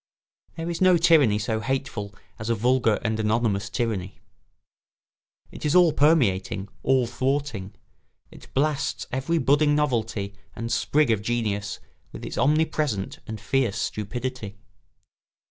There is no tyranny so hateful as a vulgar and anonymous tyranny. It is all permeating, all thwarting; it blasts every budding novelty and sprig of genius with its omnipresent and fierce stupidity.